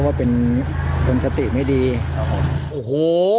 เบิร์ตลมเสียโอ้โห